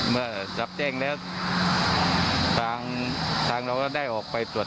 คนที่แจ้งมาก็โทรไม่ติด